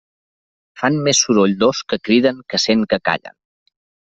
Fan més soroll dos que criden que cent que callen.